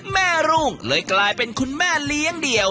รุ่งเลยกลายเป็นคุณแม่เลี้ยงเดี่ยว